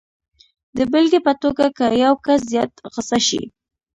د بېلګې په توګه که یو کس زیات غسه شي